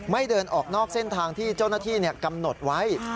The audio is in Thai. เดินออกนอกเส้นทางที่เจ้าหน้าที่กำหนดไว้